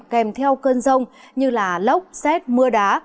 kèm theo cơn rông như lốc xét mưa đá